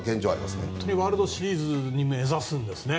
ワールドシリーズを目指すんですね。